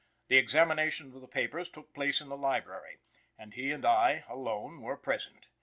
The examination of the papers took place in the library, and he and I alone were present.